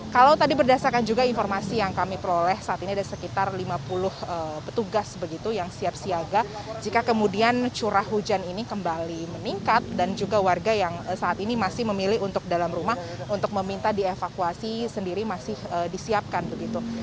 kalau tadi berdasarkan juga informasi yang kami peroleh saat ini ada sekitar lima puluh petugas begitu yang siap siaga jika kemudian curah hujan ini kembali meningkat dan juga warga yang saat ini masih memilih untuk dalam rumah untuk meminta dievakuasi sendiri masih disiapkan begitu